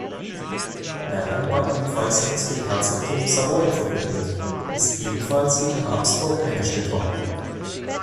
Bern war ebenfalls mit dem Herzogtum Savoyen verbündet, das ebenfalls gegen Habsburg eingestellt war.